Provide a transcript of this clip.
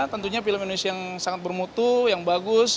tentunya film indonesia yang sangat bermutu yang bagus